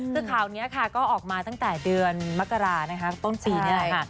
คือข่าวนี้ค่ะก็ออกมาตั้งแต่เดือนมกรานะคะต้นปีนี่แหละค่ะ